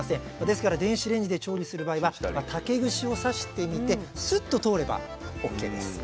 ですから電子レンジで調理する場合は竹串を刺してみてスッと通ればオッケーです。